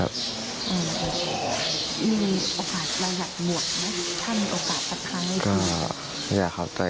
มีโอกาสอะไรอยากหมวดไหมถ้ามีโอกาสประทานไว้ที